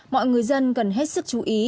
mọi người dân cần hết sức chú ý